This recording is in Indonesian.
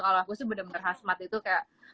kalau aku sih bener bener hazmat itu kayak